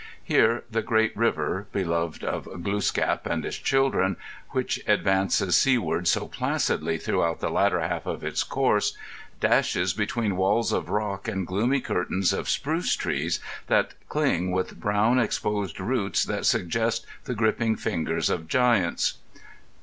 Here the great river, beloved of Gluskap and his children, which advances seaward so placidly throughout the latter half of its course, dashes between walls of rock and gloomy curtains of spruce trees that cling with brown, exposed roots that suggest the gripping fingers of giants.